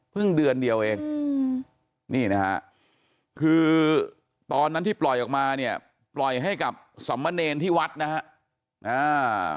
เดือนเดียวเองอืมนี่นะฮะคือตอนนั้นที่ปล่อยออกมาเนี่ยปล่อยให้กับสมเนรที่วัดนะฮะ